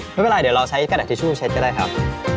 ไม่เป็นไรเดี๋ยวเราใช้กระดาษทิชชู่เช็ดก็ได้ครับ